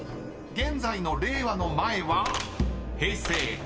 現在の令和の前は］